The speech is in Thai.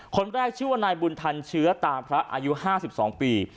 คนแรกชื่อว่านายบุญทันเชื้อตามพระอายุ๕๒ปี